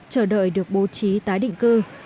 chờ đợi được bố trí tái định cư